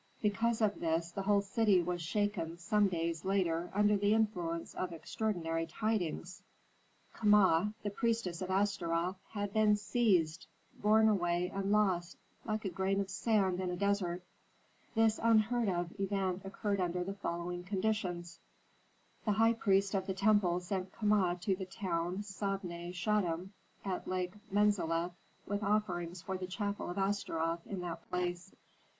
Because of this the whole city was shaken some days later under the influence of extraordinary tidings: Kama, the priestess of Astaroth, had been seized, borne away and lost, like a grain of sand in a desert. This unheard of event occurred under the following conditions: The high priest of the temple sent Kama to the town Sabne Chetam at Lake Menzaleh with offerings for the chapel of Astaroth in that place.